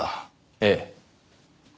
ええ。